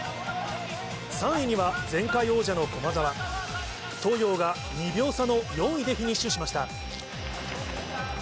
３位には、前回王者の駒澤、東洋が２秒差の４位でフィニッシュしました。